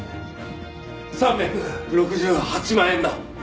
３６８万円だ。